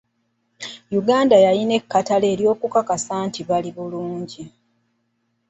Uganda yalina ekkatala ery'okukakasa nti bali bulungi.